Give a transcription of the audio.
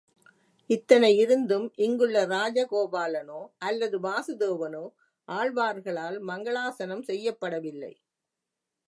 இத்தனை இருந்தும் இங்குள்ள ராஜ கோபாலனோ அல்லது வாசுதேவனோ ஆழ்வார்களால் மங்களாசாஸனம் செய்யப்படவில்லை.